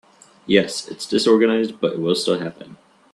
Yes, it’s disorganized but it will still happen.